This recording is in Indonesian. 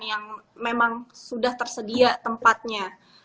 yang memang sudah tersedia tempatnya